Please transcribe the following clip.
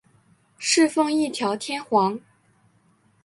侍奉一条天皇。